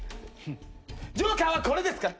ジョーカーはこれですか？